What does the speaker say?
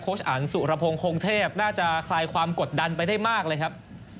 อันสุรพงศ์คงเทพน่าจะคลายความกดดันไปได้มากเลยครับ